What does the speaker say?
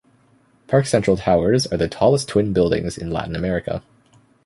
Parque Central towers are the tallest twin buildings in Latin America.